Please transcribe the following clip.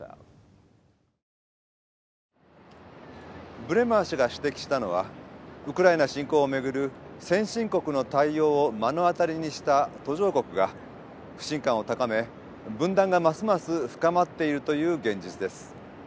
ブレマー氏が指摘したのはウクライナ侵攻を巡る先進国の対応を目の当たりにした途上国が不信感を高め分断がますます深まっているという現実です。